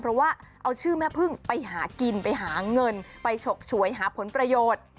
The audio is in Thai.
เพราะว่าเอาชื่อแม่พึ่งไปหากินไปหาเงินไปฉกฉวยหาผลประโยชน์